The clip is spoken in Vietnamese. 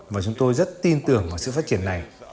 và chúng tôi rất tin tưởng vào sự phát triển này